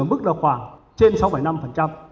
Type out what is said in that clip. ở mức là khoảng trên sáu bảy năm phần trăm